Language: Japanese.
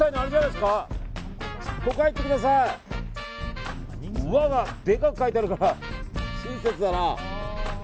でかく書いてあるから親切だな。